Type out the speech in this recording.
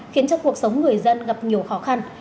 khiến cho cuộc sống người dân gặp nhiều khó khăn